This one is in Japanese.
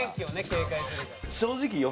警戒するから」